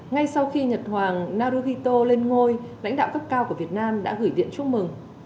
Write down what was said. ngay sau khi nhật hoàng naruhito lên ngôi lãnh đạo cấp cao của việt nam đã gửi điện chúc mừng